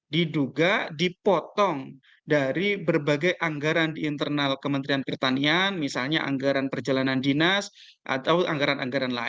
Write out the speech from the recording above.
diduga dipotong dari berbagai anggaran di internal kementerian pertanian misalnya anggaran perjalanan dinas atau anggaran anggaran lain